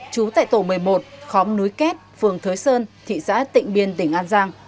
chú tại tổ một mươi một khóm núi két phường thới sơn thị xã tỉnh biên tỉnh an giang